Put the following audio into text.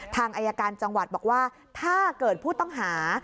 ทางอายการจังหวัดบอกว่าถ้าเกิดผู้ต้องหา